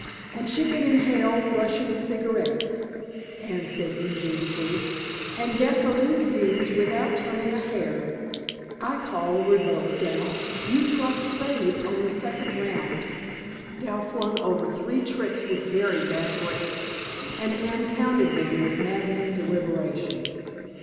"And she can inhale Russian cigarettes," Anne said enviously, "and gasolene fumes, without turning a hair. I call a revoke, Dal; you trumped spades on the second round." Dal flung over three tricks with very bad grace, and Anne counted them with maddening deliberation.